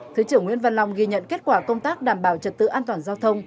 thứ trưởng nguyễn văn long ghi nhận kết quả công tác đảm bảo trật tự an toàn giao thông